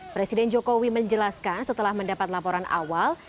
presiden jokowi menjelaskan setelah mendapat laporan awal